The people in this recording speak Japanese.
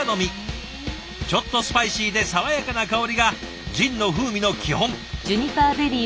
ちょっとスパイシーで爽やかな香りがジンの風味の基本。